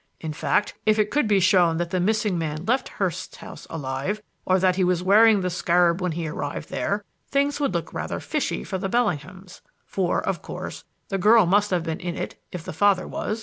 In fact, if it could be shown that the missing man left Hurst's house alive, or that he was wearing the scarab when he arrived there, things would look rather fishy for the Bellinghams for, of course, the girl must have been in it if the father was.